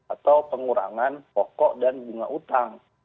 atau pengurangan pokok dan bunga utang